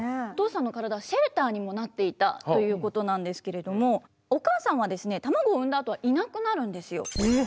お父さんの体はシェルターにもなっていたということなんですけれどもお母さんはですね卵を産んだあとはいなくなるんですよ。